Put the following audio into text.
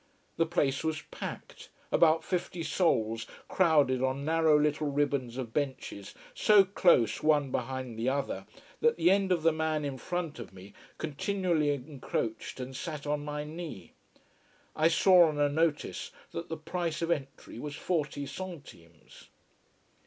The place was packed about fifty souls crowded on narrow little ribbons of benches, so close one behind the other that the end of the man in front of me continually encroached and sat on my knee. I saw on a notice that the price of entry was forty centimes.